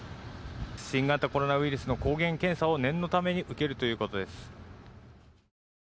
新型コロナウイルスの抗原検査を念のために受けるということです。